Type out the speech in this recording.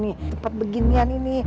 nih tepat beginian ini